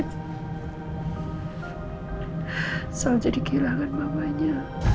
nisa jadi kehilangan mamanya